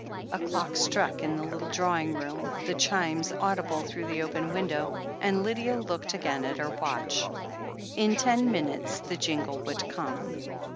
A clock struck in the little drawing room, the chimes audible through the open window, and Lydia looked again at her watch. In ten minutes the jingle would come.